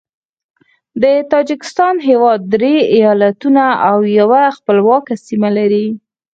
د تاجکستان هیواد درې ایالتونه او یوه خپلواکه سیمه لري.